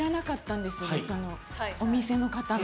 お店の方の。